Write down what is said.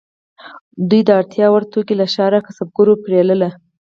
دوی د اړتیا وړ توکي له ښاري کسبګرو پیرل.